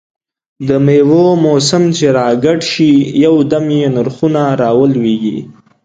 دمېوو موسم چې را ګډ شي، یو دم یې نرخونه را ولوېږي.